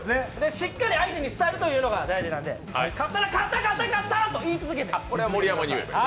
しっかり相手に伝えるというのが大事なので、勝ったら、勝った、勝った勝ったと言い続けて。